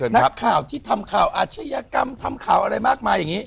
นักข่าวที่ทำข่าวอาชญากรรมทำข่าวอะไรมากมายอย่างนี้